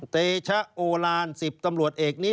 เตชะโอลาน๑๐ตำรวจเอกนี้